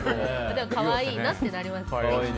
でも可愛いなってなりますよね。